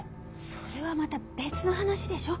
それはまた別の話でしょ。